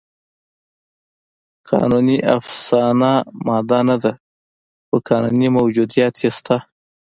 قانوني افسانه مادي نهده؛ خو قانوني موجودیت یې شته.